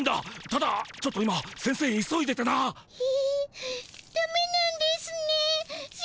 ただちょっと今先生急いでてな。だめなんですねしくしく